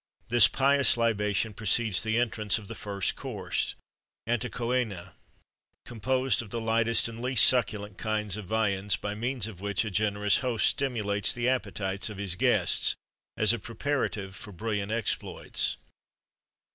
[XXXV 37] This pious libation precedes the entrance of the first course (antecœna),[XXXV 38] composed of the lightest and least succulent kinds of viands, by means of which a generous host stimulates the appetites of his guests, as a preparative for brilliant exploits.